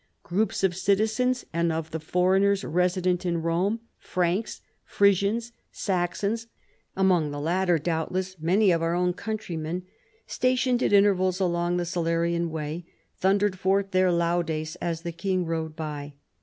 Groups of citizens and of the foreigners resident in Rome, Franks, Frisians,, Saxons (among the latter doubtless many of our own countrymen), stationed at intervals along the Salarian Way, thundered forth their laudes as the king rode by.